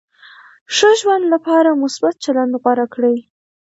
ښه ژوند لپاره مثبت چلند غوره کړئ.